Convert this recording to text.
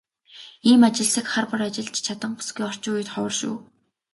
Ийм ажилсаг, хар бор ажилд чаданги бүсгүй орчин үед ховор шүү.